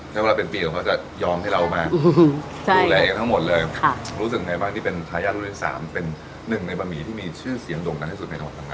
แต่เมื่อเป็นปีก่อนเขาจะยอมให้เรามาดูแลกันทั้งหมดเลยรู้สึกยังไงบ้างที่เป็นทายาทฤติศาสตร์เป็นหนึ่งในบะหมี่ที่มีชื่อเสียงโด่งทันในสุดในทั้งหมด